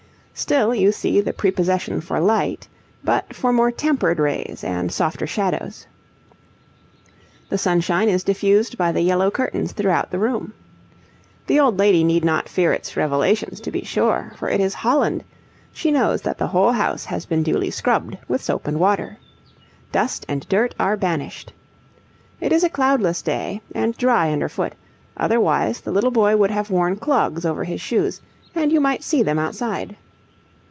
Still you see the prepossession for light, but for more tempered rays and softer shadows. The sunshine is diffused by the yellow curtains throughout the room. The old lady need not fear its revelations, to be sure, for it is Holland she knows that the whole house has been duly scrubbed with soap and water. Dust and dirt are banished. It is a cloudless day and dry under foot, otherwise the little boy would have worn clogs over his shoes, and you might see them outside.